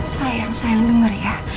sayang sayang denger ya